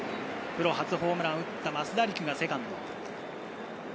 プロ初ホームランを打った増田陸がセカンド。